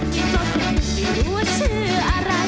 มีจบก็ไม่รู้ว่าชื่ออะไร